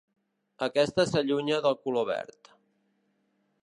Aquesta s'allunya del color verd.